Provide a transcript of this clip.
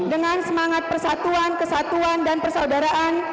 dengan semangat persatuan kesatuan dan persaudaraan